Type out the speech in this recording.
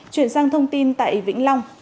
chuyển sang thông tin tại vĩnh long